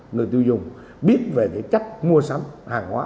người tiêu dùng biết về cái cách mua sắm hàng hóa